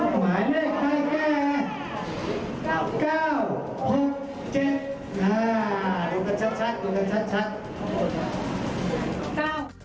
ชัด